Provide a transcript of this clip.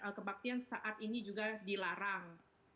dan kebanyakan perhatian saat ini juga dilarang